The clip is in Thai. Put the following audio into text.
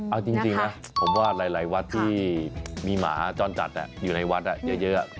เอาจริงนะผมว่าหลายวัดที่มีหมาจรจัดอยู่ในวัดเยอะ